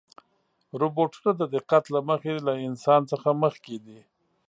روبوټونه د دقت له مخې له انسان څخه مخکې دي.